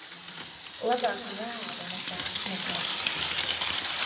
Labāk vēlu nekā nekad.